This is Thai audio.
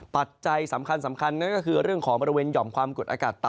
ปัจจัยสำคัญนั่นก็คือเรื่องของบริเวณหย่อมความกดอากาศต่ำ